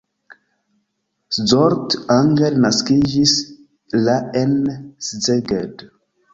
Zsolt Anger naskiĝis la en Szeged.